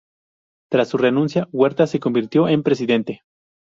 Tras su renuncia Huerta se convirtió en presidente.